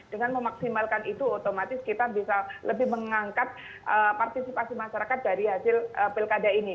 dengan memaksimalkan itu otomatis kita bisa lebih mengangkat partisipasi masyarakat dari hasil pilkada ini